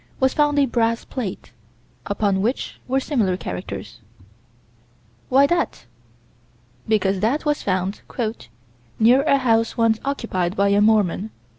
was found a brass plate, upon which were similar characters. Why that? Because that was found "near a house once occupied by a Mormon."